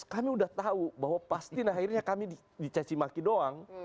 kami udah tahu bahwa pasti akhirnya kami dicacimaki doang